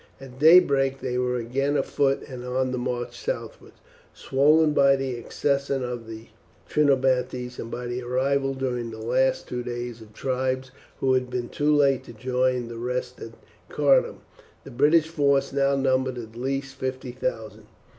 At daybreak they were again afoot and on the march southward, swollen by the accession of the Trinobantes and by the arrival during the last two days of tribes who had been too late to join the rest at Cardun. The British force now numbered at least fifty thousand.